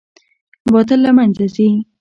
باطل له منځه ځي